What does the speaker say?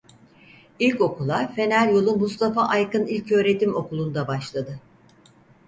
İlkokula Feneryolu Mustafa Aykın İlköğretim Okulu'nda başladı.